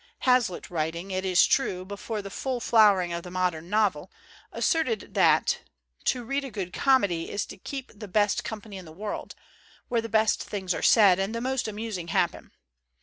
176 THE GENTLE ART OF REPARTEE Hazlitt writing, it is true, before the full flowering of the modern novel asserted that " to read a good comedy is to keep the best com pany in the world, where the best things are said and the most amusing happen."